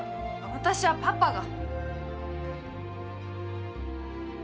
私はパパが。